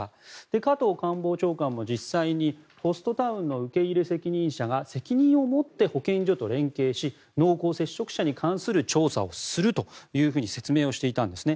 加藤官房長官も実際にホストタウンの受け入れ責任者が責任を持って保健所と連携し濃厚接触者に関する調査をすると説明をしていたんですね。